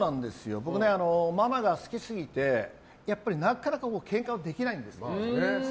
僕、ママが好きすぎてなかなかけんかをできないんです。